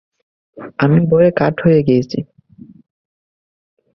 আমি ভয়ে কাঠ হয়ে গেছি।